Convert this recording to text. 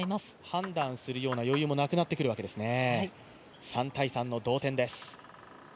判断するような余裕もなくなってくるわけですね。